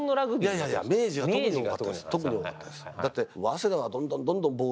いやいやいや明治は特に多かったです。